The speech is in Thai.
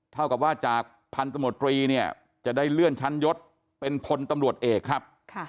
เท่ากับว่าจากพันธมตรีเนี่ยจะได้เลื่อนชั้นยศเป็นพลตำรวจเอกครับ